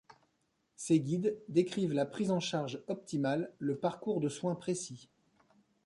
Ces guides décrivent la prise en charge optimale, le parcours de soins précis.